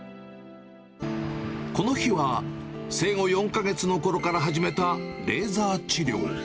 この日は、生後４か月のころから始めたレーザー治療。